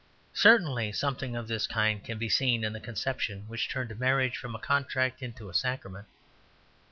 Certainly something of this kind can be seen in the conception which turned marriage from a contract into a sacrament.